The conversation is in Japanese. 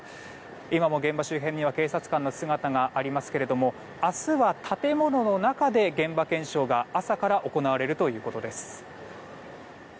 今も現場周辺には警察官の姿がありますけども明日は建物の中で現場検証が朝から行われるということです。